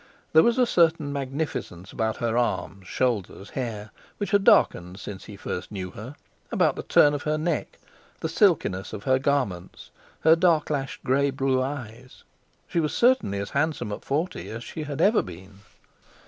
There was a certain magnificence about her arms, shoulders, hair, which had darkened since he first knew her, about the turn of her neck, the silkiness of her garments, her dark lashed, greyblue eyes—she was certainly as handsome at forty as she had ever been.